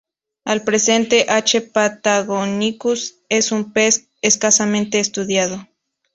Al presente "H. patagonicus" es un pez escasamente estudiado.